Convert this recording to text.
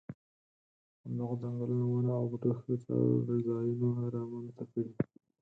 همدغو ځنګلونو ونو او بوټو ښه څړځایونه را منځته کړي.